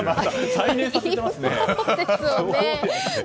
再燃させていますね。